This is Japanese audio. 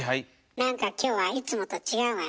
何か今日はいつもと違うわね。